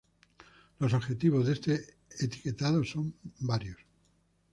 Los objetivos de este etiquetado son varios.